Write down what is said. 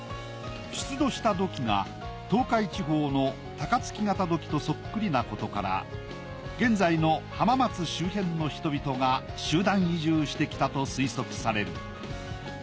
出土した土器が東海地方の高坏形土器とそっくりなことから現在の浜松周辺の人々が集団移住してきたと推測される。